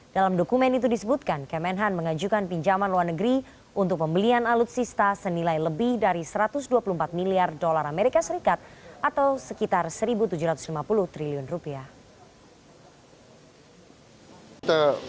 dalam dokumen itu disebutkan kemenhan mengajukan pinjaman luar negeri untuk pembelian alutsista senilai lebih dari satu ratus dua puluh empat miliar dolar as atau sekitar satu tujuh ratus lima puluh triliun rupiah